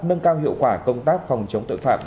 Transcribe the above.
nâng cao hiệu quả công tác phòng chống tội phạm